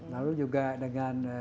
lalu juga dengan